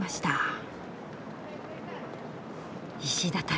石畳